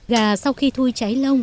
gà sau khi thui cháy lông